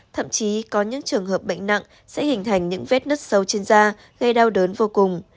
thậm chí có những trường hợp bệnh nặng sẽ hình thành những vết nứt sâu trên da gây đau đớn vô cùng